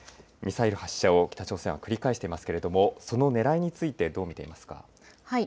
ミサイル発射を北朝鮮は繰り返していますけれどもそのねらいについてどう見ていますか。